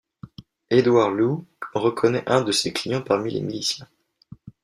Édouard Lew reconnaît un de ses clients parmi les miliciens.